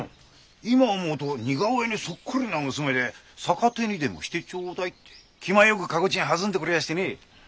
今思うと似顔絵にそっくりな娘で「酒手にでもしてちょうだい」って気前よく駕籠賃はずんでくれやしてね。